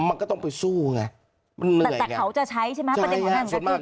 มันก็ต้องไปสู้ไงมันเหนื่อยไงแต่แต่เขาจะใช้ใช่ไหมประเด็นของนั่น